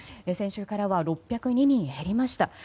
先週からは６０２人減りました。